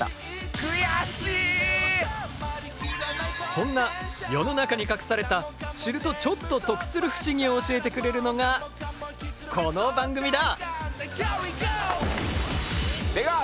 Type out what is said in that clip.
そんな世の中に隠された知るとちょっと得する不思議を教えてくれるのがこの番組だ！